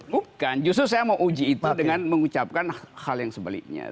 bukan justru saya mau uji itu dengan mengucapkan hal yang sebaliknya